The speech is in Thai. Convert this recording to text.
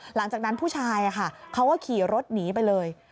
หลังจากนั้นผู้ชายเขาก็ขี่รถหนีไปเลย